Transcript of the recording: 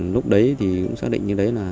lúc đấy cũng xác định như đấy là